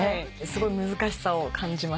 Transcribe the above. すごい難しさを感じました。